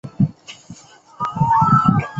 康熙二年癸卯科江南乡试第九名举人。